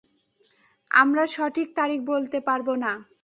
আমরা সঠিক তারিখ বলতে পারব না।